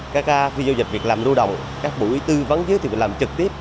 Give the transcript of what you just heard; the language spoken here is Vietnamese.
các phi doanh nghiệp việc làm lưu động các buổi tư vấn giới thiệu việc làm trực tiếp